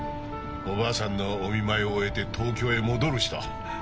おばあさんのお見舞いを終えて東京へ戻る人。